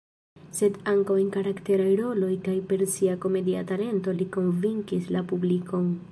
Sed ankaŭ en karakteraj roloj kaj per sia komedia talento li konvinkis la publikon.